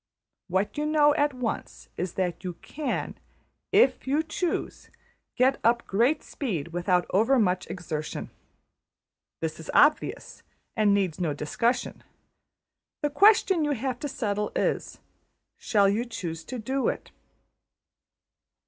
What you know at once is that you can, \emph{if you choose}, get up great speed without overmuch exertion. That is obvious, and needs no discussion. The question you have to settle is: Shall you choose to do it?